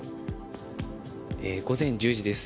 午前１０時です。